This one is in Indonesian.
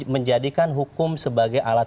menjadikan hukum sebagai alat